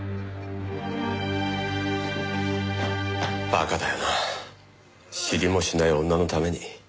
馬鹿だよな知りもしない女のために。